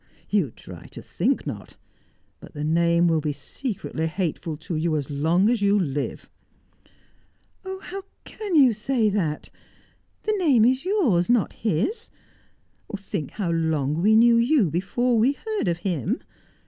"You try to think not. But the name will be secretly hateful to you as long as you live." "Oh! How can you say that! The name is yours, not his. Think how long we knew you before we heard of him!